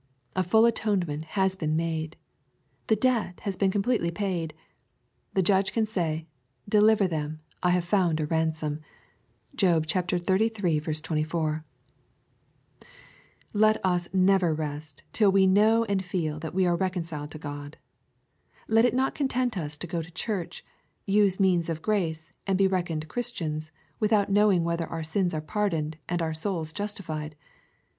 A full atone ment has been made. The debt has been completely paid. The Judge can say, "Deliver them, I have found a ransom." . (Job xxxiii. 24.) Let us never rest till we know and feel that we are reconciled to God. Let it not content us to go to Church, use means of grace, and be reckoned Christians, without knowing whether our sins are pardoned, and our souls justified.